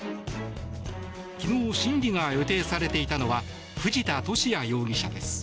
昨日、審理が予定されていたのは藤田聖也容疑者です。